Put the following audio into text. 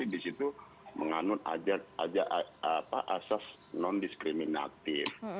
di situ menganut asas non diskriminatif